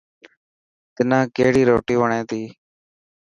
تنان ڪهڙي روٽي وڻي تي.